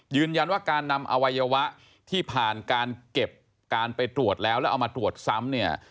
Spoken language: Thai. ยืนยันว่าการนำอวัยวะที่ผ่านการเก็บการไปตรวจแล้วแล้วเอามาตรวจซ้ำเนี่ย